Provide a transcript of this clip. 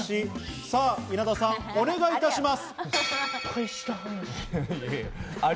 稲田さん、お願いします。